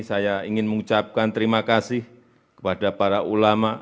saya ingin mengucapkan terima kasih kepada para ulama